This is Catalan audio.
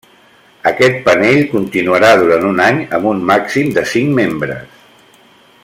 Aquest panell continuarà durant un any amb un màxim de cinc membres.